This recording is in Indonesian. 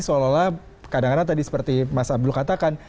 seolah olah kadang kadang tadi seperti mas abdul katakan